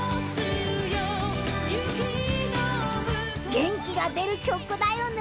［元気が出る曲だよね］